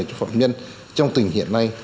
cho phẩm nhân trong tình hiện nay